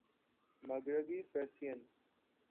مغربی فریسیئن